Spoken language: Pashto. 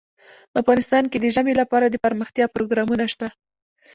افغانستان کې د ژمی لپاره دپرمختیا پروګرامونه شته.